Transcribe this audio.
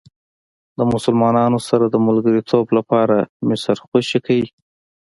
د مسلمانانو سره د ملګرتوب لپاره مصر خوشې کړئ.